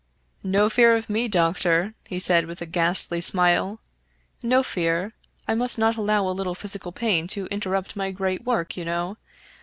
" No fear of me, doctor," he said, with a ghastly smile, " no fear ; I must not allow a little physical pain to inter rupt my great work, you know.